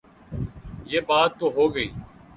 یہ بات تو ہو گئی۔